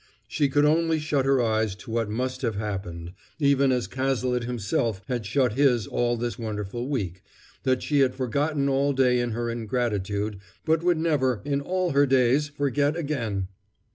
She could only shut her eyes to what must have happened, even as Cazalet himself had shut his all this wonderful week, that she had forgotten all day in her ingratitude, but would never, in all her days, forget again!